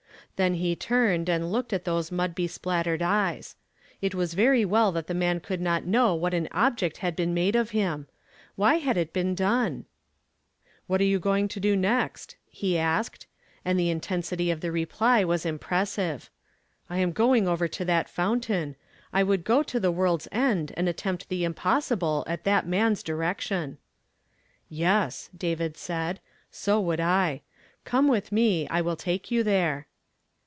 Then he turned and looked at those mud beplastered eyes. It was well that the man could not know what an object had been made of him ! Why had it been done ? 234 YESTERDAY FRAMED IN TO DAY. "What are you going to do next?" he asked; and the intensity of the ivi^ly was impressive. " I am going over to that fountain. I would go to the woi Id's end and attempt tlie impossible at that man s direction." "•Yes," said David; "so would I. Come with me ; I will take you there."